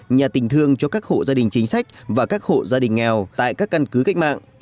nhà tình thương cho các hộ gia đình chính sách và các hộ gia đình nghèo tại các căn cứ cách mạng